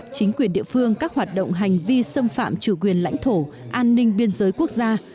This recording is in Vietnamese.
chính quyền địa phương các hoạt động hành vi xâm phạm chủ quyền lãnh thổ an ninh biên giới quốc gia